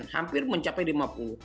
hampir mencapai di manfaat